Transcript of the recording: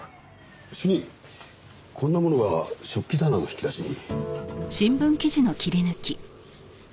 主任こんなものが食器棚の引き出しに。